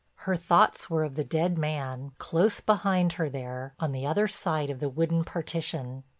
Her thoughts were of the dead man, close behind her there, on the other side of the wooden partition.